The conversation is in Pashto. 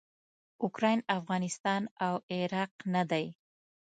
اوکراین افغانستان او عراق نه دي.